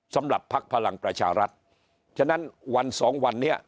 พักพลังประชารัฐฉะนั้นวันสองวันนี้